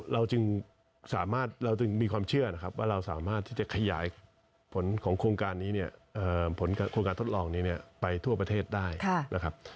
เพราะนั้นเราจึงมีความเชื่อนะครับว่าเราสามารถขยายผมของโครงการนี้ไปทั่วประเทศได้นะครับ